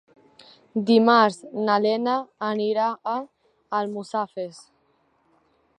Dimarts na Lena anirà a Almussafes.